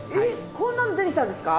こんなの出てきたんですか？